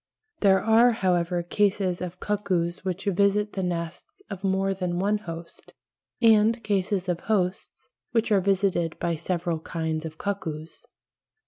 There are, however, cases of cuckoos which visit the nests of more than one host, and cases of hosts which are visited by several kinds of cuckoos.